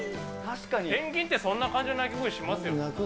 ペンギンってそんな感じの鳴き声しますよね。